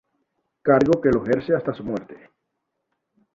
Cargo que lo ejerce hasta su muerte.